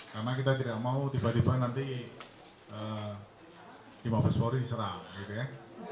karena kita tidak mau tiba tiba nanti lima belas polri diserah gitu ya